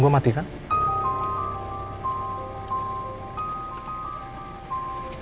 kalian didekat saya gimana sih